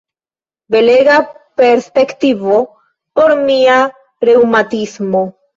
Belega perspektivo por mia reŭmatismo!